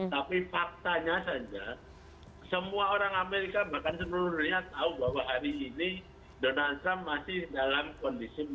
tapi faktanya saja semua orang amerika bahkan seluruh dunia tahu bahwa hari ini donald trump masih dalam kondisi